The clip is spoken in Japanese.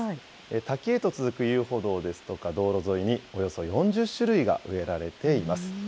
滝へと続く遊歩道ですとか、道路沿いにおよそ４０種類が植えられています。